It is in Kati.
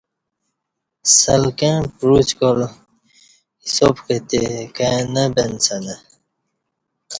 سلکں پعُچکا ل حساب کتی کائی نہ پنڅہ نہ